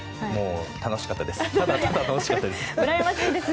楽しかったです。